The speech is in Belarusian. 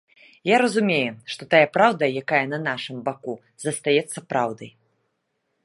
Я разумею, што тая праўда, якая на нашым баку, застаецца праўдай.